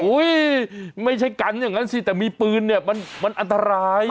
ไม่ใช่กันอย่างนั้นสิแต่มีปืนเนี่ยมันอันตราย